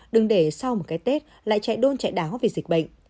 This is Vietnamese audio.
đừng để sau một cái tết lại chạy đôn chạy đáo vì dịch bệnh